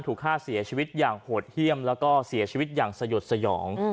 ถูกฆ่าเสียชีวิตอย่างโหดเยี่ยมแล้วก็เสียชีวิตอย่างสยดสยอง